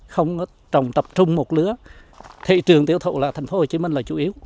không trồng tập trung một lứa thị trường tiêu thụ là thành phố hồ chí minh là chủ yếu